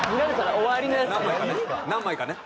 何枚かね